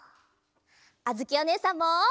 あづきおねえさんも！